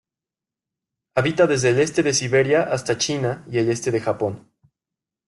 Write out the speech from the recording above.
Habita desde el este de Siberia hasta China y el este de Japón.